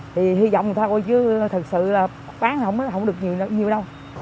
thì hy vọng người ta có chứ thật sự là bán là không được nhiều đâu